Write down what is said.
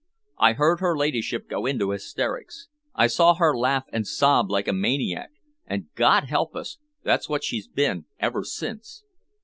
I heard her ladyship go into hysterics. I saw her laugh and sob like a maniac, and, God help us! that's what she's been ever since."